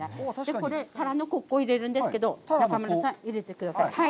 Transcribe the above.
これ、タラの子を入れるんですけど、中丸さん、入れてください。